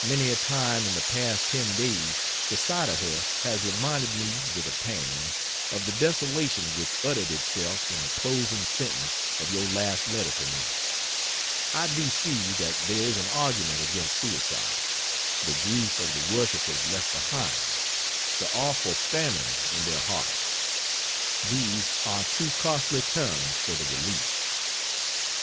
Many a time, in the past ten days, the sight of her has reminded me, with a pang, of the desolation which uttered itself in the closing sentence of your last letter to me. I do see that there is an argument against suicide: the grief of the worshipers left behind; the awful famine in their hearts, these are too costly terms for the release.